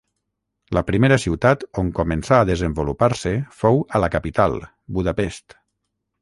La primera ciutat on començà a desenvolupar-se fou a la capital Budapest.